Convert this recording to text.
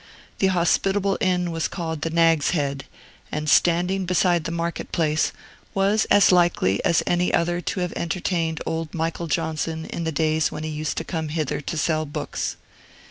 The hospitable inn was called the Nag's Head, and standing beside the market place, was as likely as any other to have entertained old Michael Johnson in the days when he used to come hither to sell books.